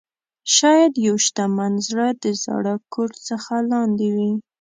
شاید یو شتمن زړه د زاړه کوټ څخه لاندې وي.